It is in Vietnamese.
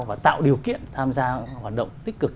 và tạo điều kiện tham gia hoạt động tích cực